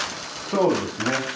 そうですね。